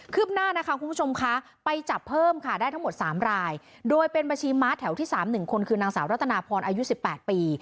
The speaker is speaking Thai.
หน้านะคะคุณผู้ชมคะไปจับเพิ่มค่ะได้ทั้งหมด๓รายโดยเป็นบัญชีม้าแถวที่๓๑คนคือนางสาวรัตนาพรอายุ๑๘ปี